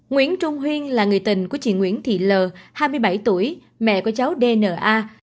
nguyễn trung huyên là người tình của chị nguyễn thị l hai mươi bảy tuổi mẹ của cháu dna